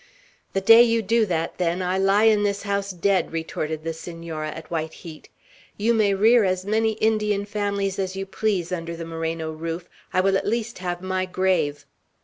"The day you do that, then, I lie in this house dead!" retorted the Senora, at white heat. "You may rear as many Indian families as you please under the Moreno roof, I will at least have my grave!"